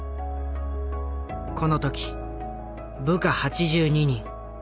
この時部下８２人。